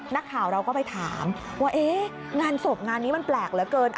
นักข่าวเราก็ไปถามว่างานศพงานนี้มันแปลกเหลือเกิน